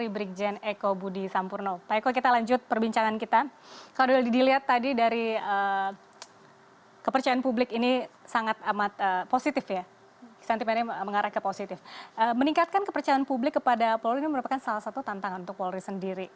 meningkat kepercayaan publik kepada polri ini merupakan salah satu tantangan untuk polri sendiri